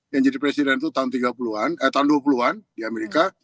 yang jadi presiden itu tahun dua puluh an di amerika